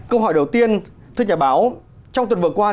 câu hỏi đầu tiên thưa nhà báo trong tuần vừa qua